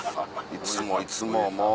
いつもいつももう。